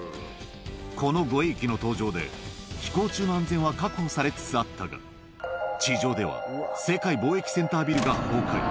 この護衛機の登場で、飛行中の安全は確保されつつあったが、地上では世界貿易センタービルが崩壊。